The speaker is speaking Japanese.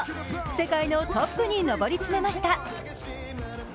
世界のトップに上り詰めました。